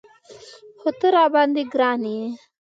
خو ته راباندې ګران یې.